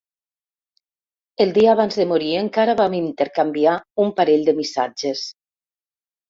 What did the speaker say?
El dia abans de morir encara vam intercanviar un parell de missatges.